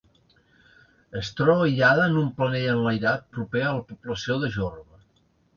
Es troba aïllada en un planell enlairat proper a la població de Jorba.